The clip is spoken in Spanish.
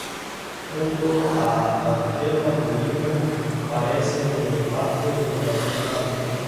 Junto a Ángela Molina aparece un reparto internacional.